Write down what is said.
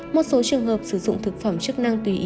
một số trường hợp sử dụng thực phẩm chức năng tùy ý